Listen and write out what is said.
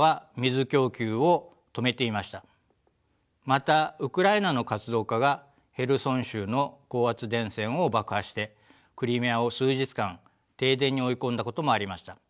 またウクライナの活動家がヘルソン州の高圧電線を爆破してクリミアを数日間停電に追い込んだこともありました。